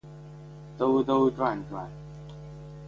兜兜转转